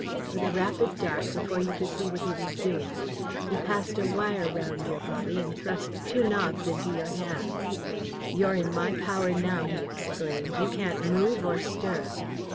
With a rapid dart, before you could see what he was doing, he passed a wire round your body and thrust two knobs into your hands. 'You're in my power now!' he exclaimed. 'You can't move or stir!'